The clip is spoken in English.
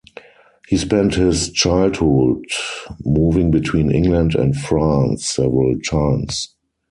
He spent his childhood moving between England and France several times.